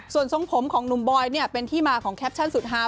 ส่วนทรงผมของหนุ่มบอยเนี่ยเป็นที่มาของแคปชั่นสุดฮา